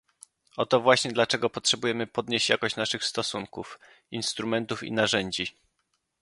Oto właśnie dlaczego potrzebujemy podnieść jakość naszych stosunków, instrumentów i narzędzi